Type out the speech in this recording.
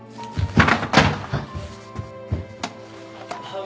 あっ。